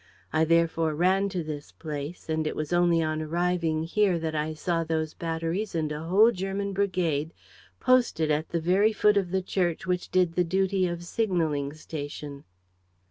I therefore ran to this place; and it was only on arriving here that I saw those batteries and a whole German brigade posted at the very foot of the church which did the duty of signaling station."